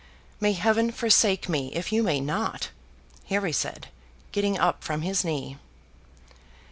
"May heaven forsake me if you may not!" Harry said, getting up from his knee.